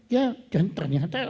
ya dan ternyata hilang